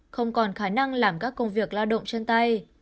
không còn khả năng làm các công việc lao động chân tay